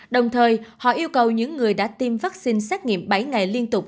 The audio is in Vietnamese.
đồng thời họ yêu cầu những người đã tiêm vaccine xét nghiệm bảy ngày liên tục